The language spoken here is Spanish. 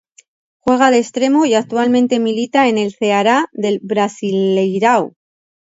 Juega de Extremo y actualmente milita en el Ceará del Brasileirão.